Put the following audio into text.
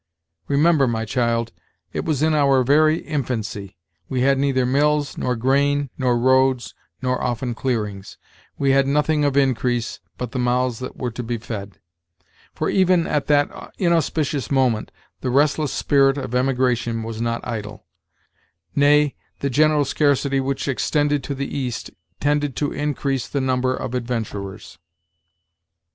Remember, my child, it was in our very infancy; we had neither mills, nor grain, nor roads, nor often clearings; we had nothing of increase but the mouths that were to be fed: for even at that inauspicious moment the restless spirit of emigration was not idle; nay, the general scarcity which extended to the East tended to increase the number of adventurers."